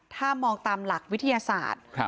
ถ้ามองตามหลักวิทยาศาสตร์